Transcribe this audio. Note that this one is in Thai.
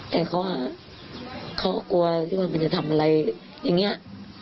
แต่เค้าเค้ากลัวที่ว่ามันจะทำอะไรอย่างเงี้ย